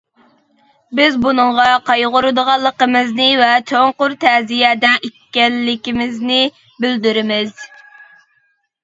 بىز بۇنىڭغا قايغۇرىدىغانلىقىمىزنى ۋە چوڭقۇر تەزىيەدە ئىكەنلىكىمىزنى بىلدۈرىمىز.